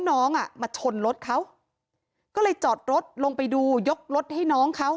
น้องอ่ะมาชนรถเขาก็เลยจอดรถลงไปดูยกรถให้น้องเขา